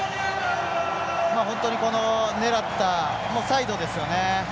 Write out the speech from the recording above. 本当に狙ったサイドですよね。